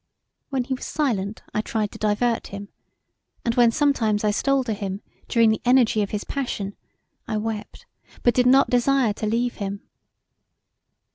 When he was silent I tried to divert him, and when sometimes I stole to him during the energy of his passion I wept but did not desire to leave him.